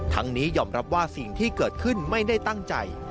นี้ยอมรับว่าสิ่งที่เกิดขึ้นไม่ได้ตั้งใจ